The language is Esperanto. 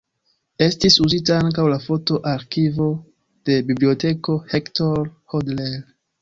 Estis uzita ankaŭ la foto-arkivo de Biblioteko Hector Hodler.